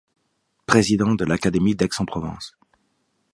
Président de l'Académie d'Aix en Provence.